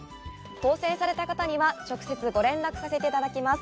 当せんされた方には直接、ご連絡させていただきます。